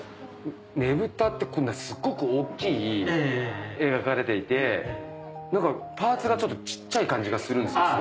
ねぶたってすごく大きい描かれていて何かパーツがちょっと小っちゃい感じがするんですよ。